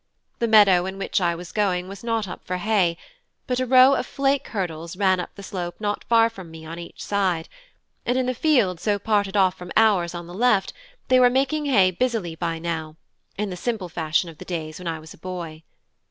The meadow in which I was going was not up for hay; but a row of flake hurdles ran up the slope not far from me on each side, and in the field so parted off from ours on the left they were making hay busily by now, in the simple fashion of the days when I was a boy.